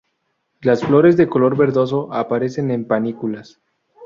Las flores, de color verdoso, aparecen en panículas.